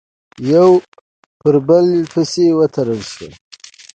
یو پر بل پسې وتړل شول،